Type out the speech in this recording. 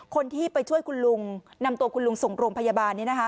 คนที่ไปช่วยคุณลุงนำตัวคุณลุงส่งโรงพยาบาล